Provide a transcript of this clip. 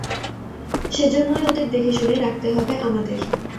সেজন্যই ওদের দেখেশুনে রাখতে হবে আমাদের।